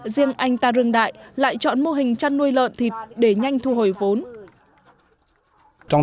riêng anh ta rưng đại lại chọn mô hình chăn nuôi lợn thịt để nhanh thu hồi vốn